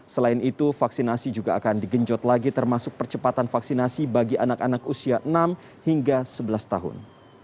selain itu vaksinasi juga akan digenjot lagi termasuk percepatan vaksinasi bagi anak anak usia enam hingga sebelas tahun